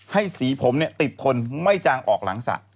ให้สีผมติดทนไม่จางออกหลังสระ